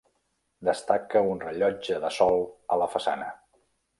Destaca un rellotge de sol a la façana.